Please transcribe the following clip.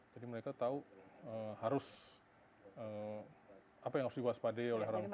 jadi mereka tahu harus eee apa yang harus diwaspadai oleh orang tua ya